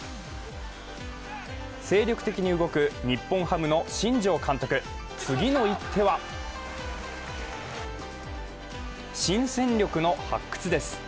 精力的に動く日本ハムの新庄監督、次の一手は新戦力の発掘です。